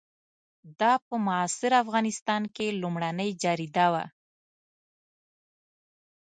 دا په معاصر افغانستان کې لومړنۍ جریده وه.